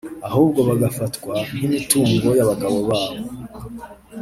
ahubwo bagafatwa nk’imitungo y’abagabo babo